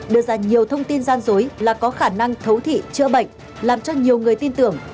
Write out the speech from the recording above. đưa ra nhiều thông tin gian dối là có khả năng thấu thị chữa bệnh làm cho nhiều người tin tưởng